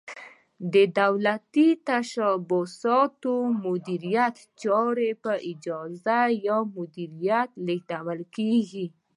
د دولتي تشبثاتو مدیریتي چارې په اجارې یا مدیریت لیږدول کیږي.